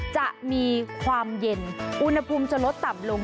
จะมีความเย็นอุณหภูมิจะลดต่ำลง